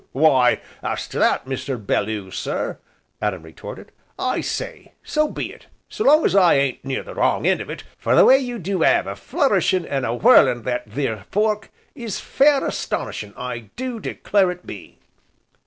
"Why, as to that, Mr. Belloo, sir," Adam retorted, "I say so be it, so long as I ain't near the wrong end of it, for the way you do 'ave of flourishin' an' a whirlin' that theer fork, is fair as tonishin', I do declare it be."